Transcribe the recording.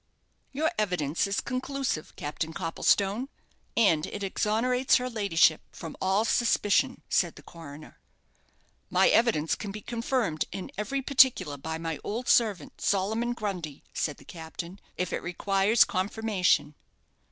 "Your evidence is conclusive, Captain Copplestone, and it exonerates her ladyship from all suspicion," said the coroner. "My evidence can be confirmed in every particular by my old servant, Solomon Grundy," said the captain, "if it requires confirmation."